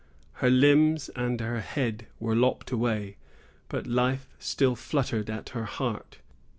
Her limbs and her head were lopped away, but life still fluttered at her heart.